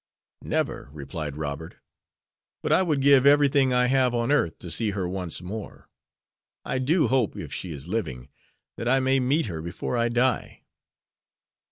"Never," replied Robert, "but I would give everything I have on earth to see her once more. I do hope, if she is living, that I may meet her before I die."